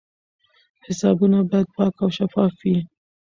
حسابونه باید پاک او شفاف وي.